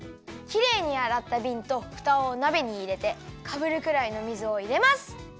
きれいにあらったびんとふたをなべにいれてかぶるくらいの水をいれます。